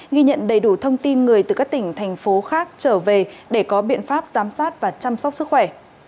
ghi nhận đầy đủ thông tin người từ các tỉnh thành phố khác trở về để có biện pháp giám sát và chăm sóc sức khỏe